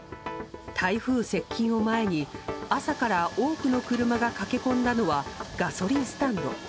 台風接近を前に朝から多くの車が駆け込んだのはガソリンスタンド。